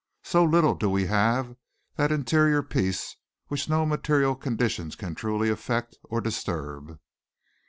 So little do we have that interior peace which no material conditions can truly affect or disturb.